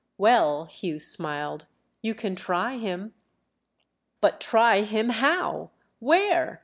"Well," Hugh smiled, "you can try him." "But try him how, where?"